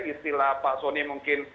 istilah pak soni mungkin